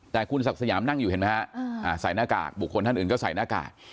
แต่คุณศักดิ์สยามนั่งอยู่เห็นไหมฮะใส่หน้ากากบุคคลท่านอื่นก็ใส่หน้ากาก